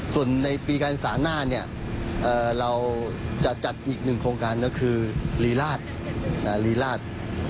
ส่วนในปีการศาลหน้าเราจะจัดอีกหนึ่งโครงการคือรีราศ